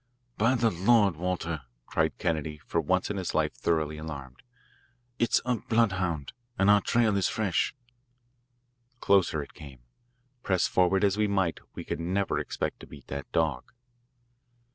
"By the Lord, Walter," cried Kennedy, for once in his life thoroughly alarmed, "it's a bloodhound, and our trail is fresh." Closer it came. Press forward as we might, we could never expect to beat that dog.